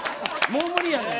もう無理やねん。